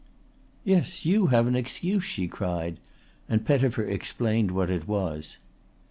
"Yes, you have an excuse," she cried, and Pettifer explained what it was.